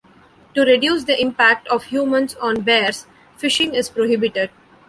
To reduce the impact of humans on bears, fishing is prohibited.